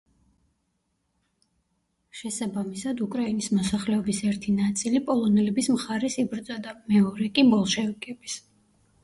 შესაბამისად უკრაინის მოსახლეობის ერთი ნაწილი პოლონელების მხარეს იბრძოდა, მეორე კი ბოლშევიკების.